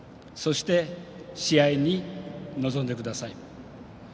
そして試合に臨んでください。